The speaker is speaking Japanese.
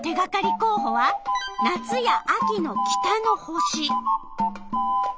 こうほは夏や秋の北の星。